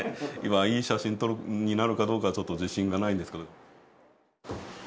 いい写真になるかどうかちょっと自信がないんですけど。